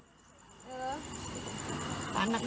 พวกนี้ก็ไม่ถึงเหรอ